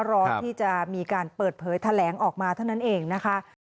รอที่จะมีการเปิดเผยแถลงออกมาเท่านั้นเองนะคะ